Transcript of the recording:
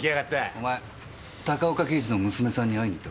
お前高岡刑事の娘さんに会いに行ったか？